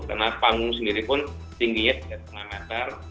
karena panggung sendiri pun tinggi ya setengah meter